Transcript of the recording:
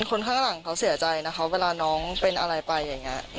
คนข้างหลังเขาเสียใจนะคะเวลาน้องเป็นอะไรไปอย่างนี้